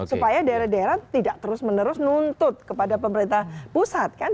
supaya daerah daerah tidak terus menerus nuntut kepada pemerintah pusat kan